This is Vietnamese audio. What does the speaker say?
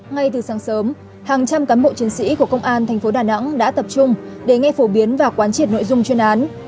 ngay từ sáng sớm hàng trăm cán bộ chiến sĩ của công an tp đà nẵng đã tập trung để nghe phổ biến và quan triệt nội dung chuyên án